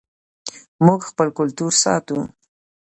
موږ خپل کلتور ساتو